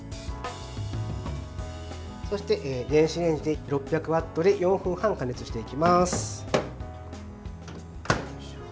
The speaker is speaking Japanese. そして、電子レンジで６００ワットで４分半加熱していきます。